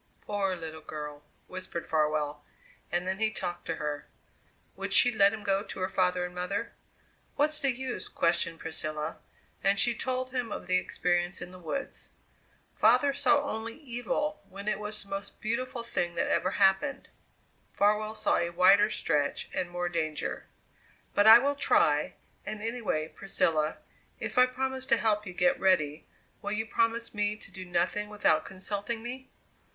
"Poor little girl!" whispered Farwell, and then he talked to her. Would she let him go to her father and mother? "What's the use?" questioned Priscilla, and she told him of the experience in the woods. "Father saw only evil when it was the most beautiful thing that ever happened." Farwell saw a wider stretch and more danger. "But I will try, and anyway, Priscilla, if I promise to help you get ready, will you promise me to do nothing without consulting me?"